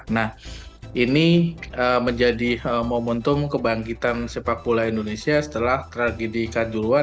nah ini menjadi momentum kebangkitan sepak bola indonesia setelah tragedi kanjuruan